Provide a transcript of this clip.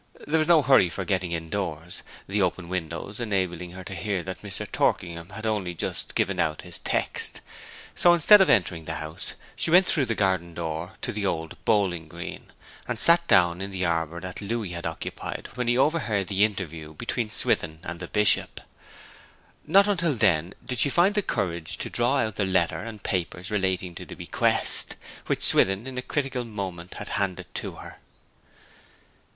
There was no hurry for getting indoors, the open windows enabling her to hear that Mr. Torkingham had only just given out his text. So instead of entering the house she went through the garden door to the old bowling green, and sat down in the arbour that Louis had occupied when he overheard the interview between Swithin and the Bishop. Not until then did she find courage to draw out the letter and papers relating to the bequest, which Swithin in a critical moment had handed to her.